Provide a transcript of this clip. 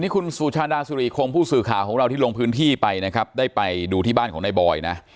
คุณสุชาดาสุริคงผู้สื่อข่าวของเราที่ลงพื้นที่ไปนะครับได้ไปดูที่บ้านของนายบอยนะ